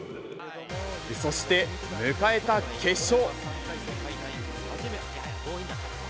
そして、迎えた決勝。